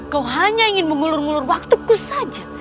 kau hanya ingin mengulur ngulur waktuku saja